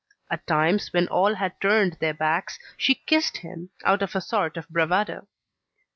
At times, when all had turned their backs, she kissed him, out of a sort of bravado.